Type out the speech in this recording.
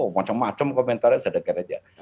macam macam komentarnya saya dengar saja